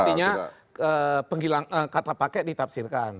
artinya kata pake ditafsirkan